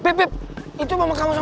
beb beb itu mama kita ya